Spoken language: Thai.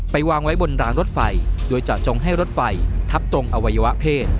วางไว้บนรางรถไฟโดยเจาะจงให้รถไฟทับตรงอวัยวะเพศ